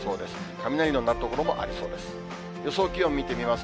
雷の鳴る所もありそうです。